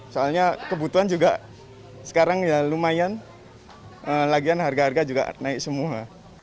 soalnya kebutuhan juga sekarang ya lumayan lagian harga harga juga naik semua